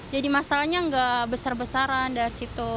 jadi masalahnya nggak besar besaran dari situ